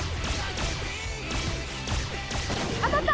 当たった！